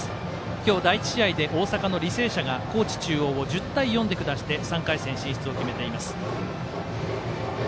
今日、第１試合で大阪、履正社が高知中央を１０対４で下して３回戦進出を決めています。